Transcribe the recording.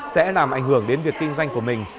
sẽ làm ảnh hưởng đến việc kinh doanh của mình